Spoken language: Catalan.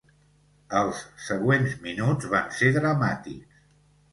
Els següents minuts van ser dramàtics.